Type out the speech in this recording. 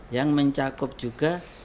yang mencakup juga